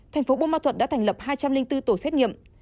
thành phố bô ma thuận đã thành lập hai trăm linh bốn tổ xét nghiệm